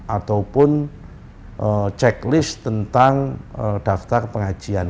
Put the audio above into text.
ataupun checklist tentang daftar pengajian